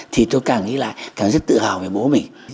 thì tôi càng nghĩ lại càng rất tự hào về bố mình